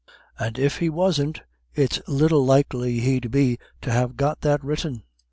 "And if he wasn't, it's little likely he'd be to ha' got that written.